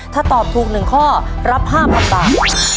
ถ้าตอบถูกหนึ่งข้อรับห้าพันบาท